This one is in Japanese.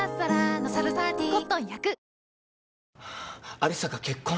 有沙が結婚？